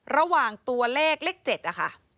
ระหว่างตัวเลขเลข๗